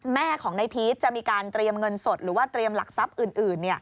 แม่ของนายพีชจะมีการเตรียมเงินสดหรือว่าเตรียมหลักทรัพย์อื่น